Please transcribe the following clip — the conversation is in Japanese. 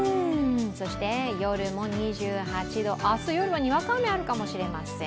そして夜も２８度、明日夜はにわか雨あるかもしれません。